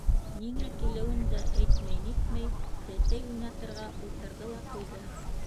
Ниңә килеүен дә әйтмәй-нитмәй, тәтәй уйнатырға ултырҙы ла ҡуйҙы.